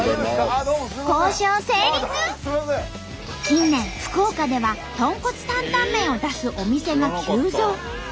近年福岡では豚骨タンタン麺を出すお店が急増。